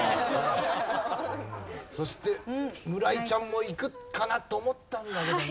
そして村井ちゃんもいくかなと思ったんだけどね。